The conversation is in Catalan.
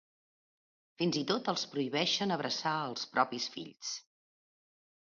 Fins i tot, els prohibeixen abraçar els propis fills.